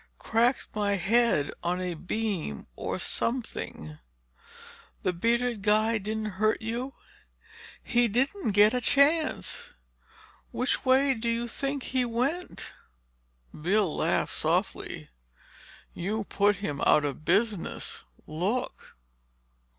"Cracked my head on a beam or something." "That bearded guy didn't hurt you?" "He didn't get a chance. Which way do you think he went?" Bill laughed softly. "You put him out of business. Look!"